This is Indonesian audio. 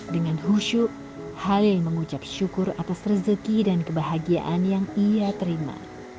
dengan khusyuk halil mengucap syukur atas rezeki dan kebahagiaan yang ia terima